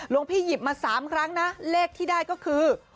พี่หยิบมา๓ครั้งนะเลขที่ได้ก็คือ